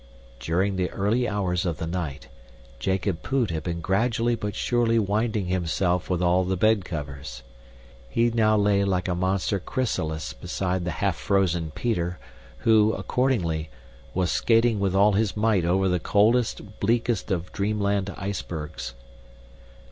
During the early hours of the night, Jacob Poot had been gradually but surely winding himself with all the bed covers. He now lay like a monster chrysalis beside the half frozen Peter, who, accordingly, was skating with all his might over the coldest, bleakest of dreamland icebergs.